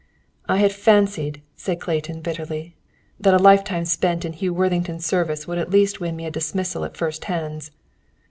"I had fancied," said Clayton, bitterly, "that a lifetime spent in Hugh Worthington's service would at least win me a dismissal at first hands.